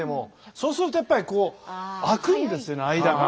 そうするとやっぱりこう空くんですよね間が。